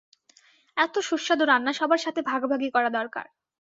এত সুস্বাদু রান্না সবার সাথে ভাগাভাগি করা দরকার।